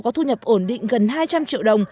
có thu nhập ổn định gần hai trăm linh triệu đồng